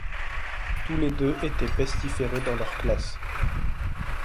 Tous les deux étaient pestiférés dans leur classe.